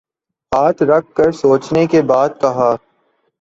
ہاتھ رکھ کر سوچنے کے بعد کہا۔